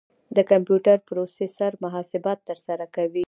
د کمپیوټر پروسیسر محاسبات ترسره کوي.